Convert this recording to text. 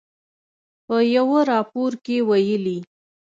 په یوه راپور کې ویلي